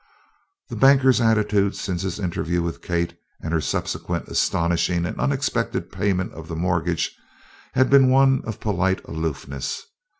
The banker's attitude since his interview with Kate and her subsequent astonishing and unexpected payment of the mortgage had been one of polite aloofness.